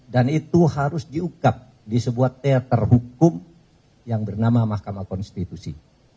dan itu harus diukap di sebuah teater hukum yang bernama mahkamah konstitusi